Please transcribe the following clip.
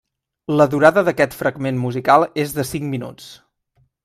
La durada d'aquest fragment musical és de cinc minuts.